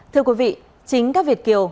thưa quý vị chính các việt kiều